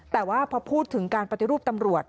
แต่ว่าพอพูดถึงการปฏิรูปตำรวจ